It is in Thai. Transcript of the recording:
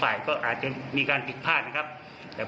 ไฟก็มีการผิดผ้าดครับ